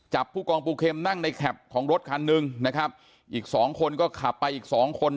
ผู้กองปูเข็มนั่งในแคปของรถคันหนึ่งนะครับอีกสองคนก็ขับไปอีกสองคน